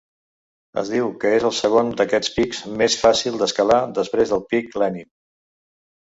Es diu que és el segon d'aquests pics més fàcil d'escalar, després del Pic Lenin.